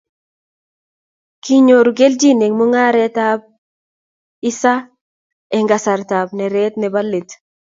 kinyoru kelchin eng mung'areab isa eng kasartab neret nebo let